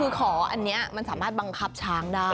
คือขออันนี้มันสามารถบังคับช้างได้